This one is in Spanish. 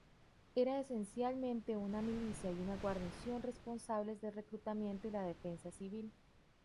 Era esencialmente una milicia y una guarnición responsables del reclutamiento y la defensa civil.